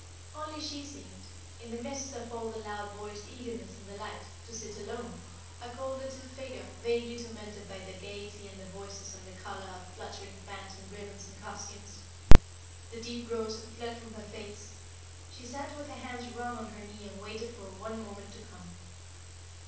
Only she seemed, in the midst of all the loud voiced eagerness and delight, to sit alone, a cold little figure vaguely tormented by the gayety and the voices and the color of fluttering fans and ribbons and costumes. The deep rose had fled from her face; she sat with her hands wrung on her knee and waited for one moment to come.